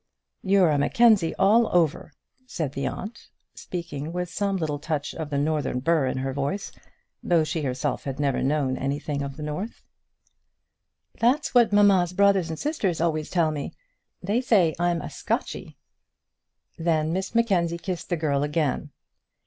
"You're a Mackenzie all over," said the aunt, speaking with some little touch of the northern burr in her voice, though she herself had never known anything of the north. "That's what mamma's brothers and sisters always tell me. They say I am Scotchy." Then Miss Mackenzie kissed the girl again.